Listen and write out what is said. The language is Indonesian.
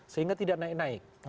sehingga tidak naik naik